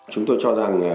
chúng tôi cho rằng